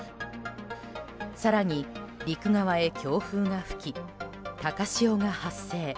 更に、陸側へ強風が吹き高潮が発生。